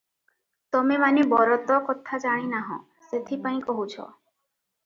ତମେମାନେ ବରତ କଥା ଜାଣି ନାହଁ; ସେଥିପାଇଁ କହୁଛି ।